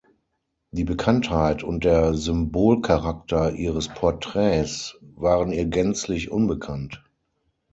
Die Bekanntheit und der Symbolcharakter ihres Porträts waren ihr gänzlich unbekannt.